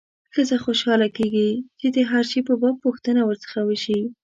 ښځه خوشاله کېږي چې د هر شي په باب پوښتنه ورڅخه وشي.